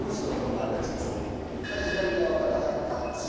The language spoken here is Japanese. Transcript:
左側から入ってきまして。